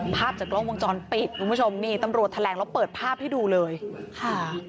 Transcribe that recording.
ภาพจากกล้องวงจรปิดคุณผู้ชมนี่ตำรวจแถลงแล้วเปิดภาพให้ดูเลยค่ะ